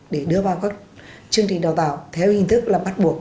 để đưa vào các chương trình đào tạo theo hình thức là bắt buộc